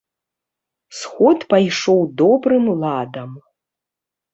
Сход пайшоў добрым ладам.